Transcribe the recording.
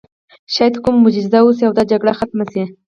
شاید کومه معجزه وشي او دا جګړه ختمه شي